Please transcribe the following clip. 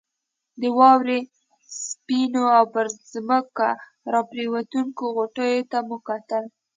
د واورې سپینو او پر ځمکه راپرېوتونکو غټیو ته مو کتل.